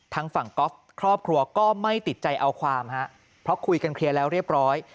ทางฝั่งก๊อฟครอบครัวก็ไม่ติดใจเอาความฮะเพราะคุยกันเคลียร์แล้วเรียบร้อย